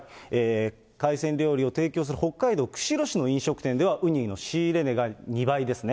海鮮料理を提供する北海道釧路市の飲食店では、ウニの仕入れ値が２倍ですね。